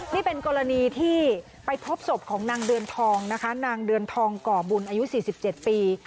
นี่เป็นกรณีที่ไปพบศพของนางเดือนทองนะคะนางเดือนทองก่อบุญอายุ๔๗ปี